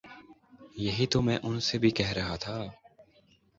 یہی تو میں ان سے بھی کہہ رہا تھا